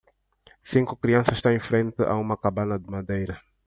Cinco crianças estão em frente a uma cabana de madeira.